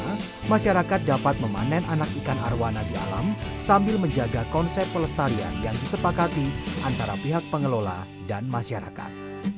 karena masyarakat dapat memanen anak ikan arowana di alam sambil menjaga konsep pelestarian yang disepakati antara pihak pengelola dan masyarakat